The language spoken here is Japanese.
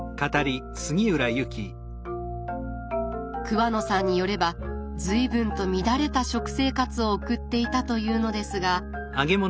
桑野さんによれば随分と乱れた食生活を送っていたというのですが。